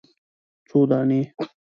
_څو دانې ؟